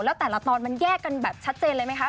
แล้วแต่ละตอนมันแยกกันแบบชัดเจนเลยไหมคะ